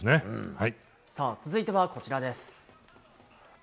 続いては、こちらです。